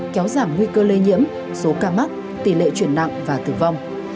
kéo giảm nguy cơ lây nhiễm số ca mắc tỷ lệ chuyển nặng và tử vong